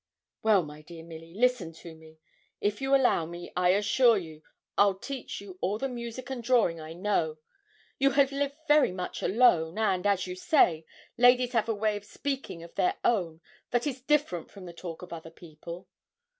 'Well, my dear Milly, listen to me: if you allow me, I assure you, I'll teach you all the music and drawing I know. You have lived very much alone; and, as you say, ladies have a way of speaking of their own that is different from the talk of other people.'